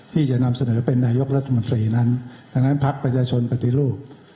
ที่จะนำเสนอเป็นนายกรัฐมนตรีนั้นดังนั้นพักประชาชนปฏิรูป